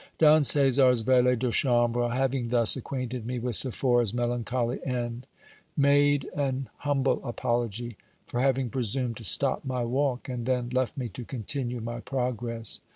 Don Caesar's valet de chambre, having thus acquainted me with Sephora's melancholy end, made an humble apology for having presumed to stop my walk, and then left me to continue my progress.